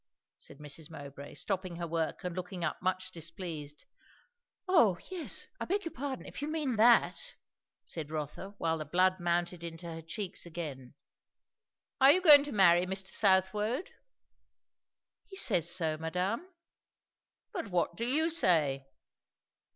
said Mrs. Mowbray, stopping her work and looking up much displeased. "O yes, I beg your pardon, if you mean that," said Rotha, while the blood mounted into her cheeks again. "Are you going to marry Mr. Southwode?" "He says so, madame." "But what do you say?"